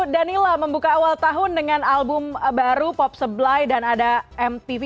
danila membuka awal tahun dengan album baru pop sebly dan ada mtv